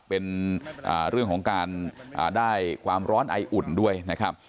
เป็นเรื่องของการได้ความร้อนไออุ่นด้วยนะครับ